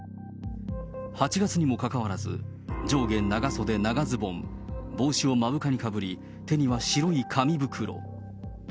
８月にもかかわらず、上下長袖長ズボン、帽子を目深にかぶり、手には白い紙袋。